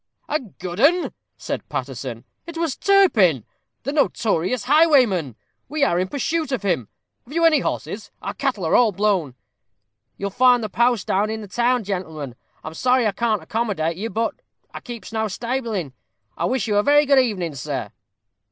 "A good 'un!" said Paterson; "it was Turpin, the notorious highwayman. We are in pursuit of him. Have you any horses? our cattle are all blown." "You'll find the post house in the town, gentlemen. I'm sorry I can't accommodate you. But I keeps no stabling. I wish you a very good evening, sir."